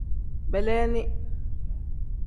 Beleeni.